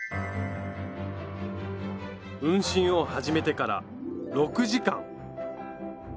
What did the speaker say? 運針を始めてから６時間！